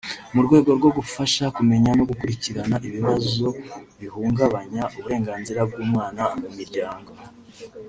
mu rwego rwo gufasha kumenya no gukurikirana ibibazo bihungabanya uburenganzira bw’umwana mu miryango